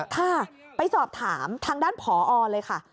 ค่ะไปสอบถามทางด้านผอเลยค่ะ